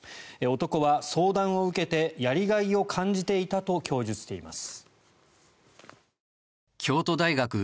男は相談を受けてやりがいを感じていたと供述しています。